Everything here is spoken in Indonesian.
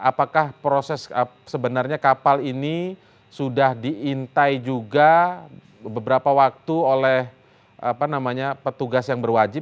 apakah proses sebenarnya kapal ini sudah diintai juga beberapa waktu oleh petugas yang berwajib